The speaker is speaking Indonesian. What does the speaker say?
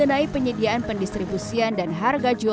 bagaimana subsidi ini bisa disalurkan tepat sasaran ya